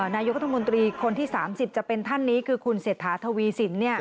นายกรัฐมนตรีคนที่๓๐จะเป็นท่านนี้คือคุณเศรษฐาทวีสิน